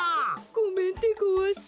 ごめんでごわす。